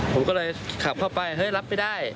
ผมก็เลยขับเข้าไปเฮ้ยรับไม่ได้